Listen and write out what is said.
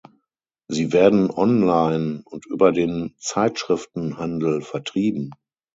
Sie werden online und über den Zeitschriftenhandel vertrieben.